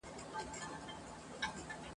او ملي سرود !.